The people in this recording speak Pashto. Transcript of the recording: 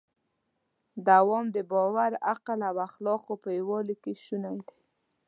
دوام د باور، عقل او اخلاقو په یووالي کې شونی دی.